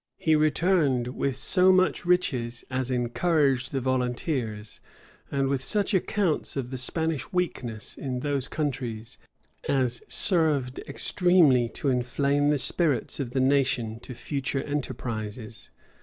He returned with so much riches as encouraged the volunteers, and with such accounts of the Spanish weakness in those countries, as served extremely to inflame the spirits of the nation to future enterprises.